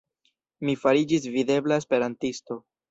Mi fariĝis videbla esperantisto.